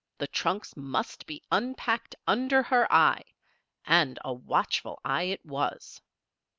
The trunks must be unpacked under her eye and a watchful eye it was!